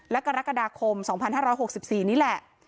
และกรกฎาคม๒๕๖๔นี่แหละ